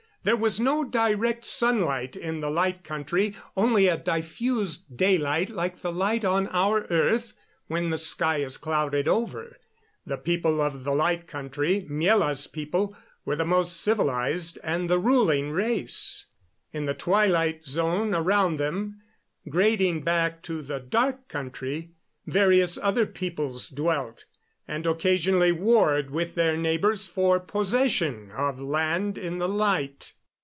There was no direct sunlight in the Light Country only a diffused daylight like the light on our earth when the sky is clouded over. The people of the Light Country, Miela's people, were the most civilized and the ruling race. In the twilight zone around them, grading back to the Dark Country, various other peoples dwelt, and occasionally warred with their neighbors for possession of land in the light.